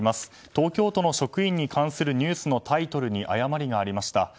東京都の職員に関するニュースのタイトルに誤りがありました。